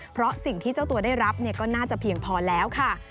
เพราะสิ่งที่เจ้าตัวได้รับก็น่าจะเพียงพอแล้วค่ะ